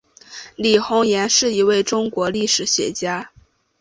李洪岩是一位中国历史学家。